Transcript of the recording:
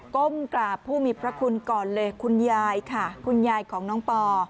ก้มกราบผู้มีพระคุณก่อนเลยคุณยายค่ะคุณยายของน้องปอ